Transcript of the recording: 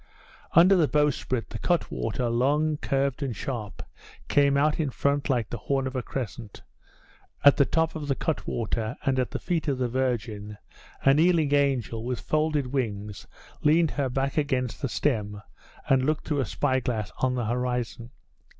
Under the bowsprit the cutwater, long, curved, and sharp, came out in front like the horn of a crescent. At the top of the cutwater, and at the feet of the Virgin, a kneeling angel, with folded wings, leaned her back against the stem, and looked through a spyglass at the horizon.